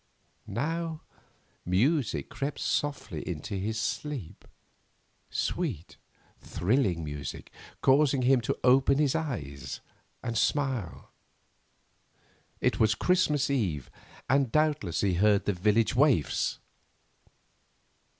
Now music crept softly into his sleep; sweet, thrilling music, causing him to open his eyes and smile. It was Christmas Eve, and doubtless he heard the village waifs.